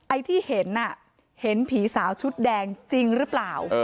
ไอ้ที่เห็นเห็นผีสาวชุดแดงจริงหรือเปล่า